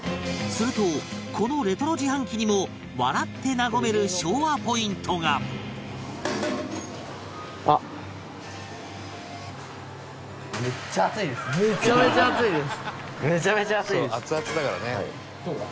するとこのレトロ自販機にも笑って和めるめちゃめちゃ熱いです！